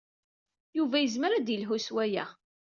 Yuba yezmer ad d-yelhu s waya.